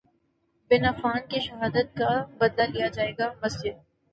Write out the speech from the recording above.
بن Affan کی شہادت کا بدلہ لیا جائے گا مسجد